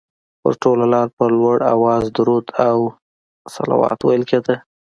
پر ټوله لاره په لوړ اواز درود او صلوات ویل کېده.